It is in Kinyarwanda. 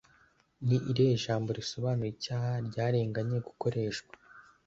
Ni irihe jambo risobanura icyaha ryarenganye gukoreshwa